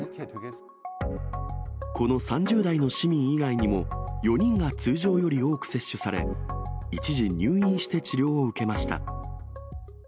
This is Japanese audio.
この３０代の市民以外にも、４人が通常より多く接種され、一時入院して治療を受けました。